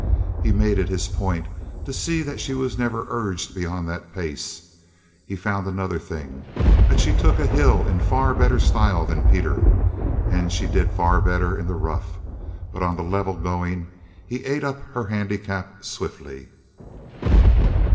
He made it his point to see that she was never urged beyond that pace. He found another thing, that she took a hill in far better style than Peter, and she did far better in the rough, but on the level going he ate up her handicap swiftly.